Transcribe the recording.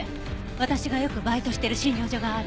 私がよくバイトしてる診療所がある。